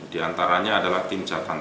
di antaranya adalah tim cadangan